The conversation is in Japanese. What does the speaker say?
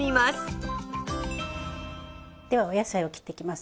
ではお野菜を切っていきます。